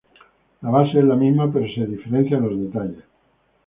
La base es la misma pero se diferencias en los detalles.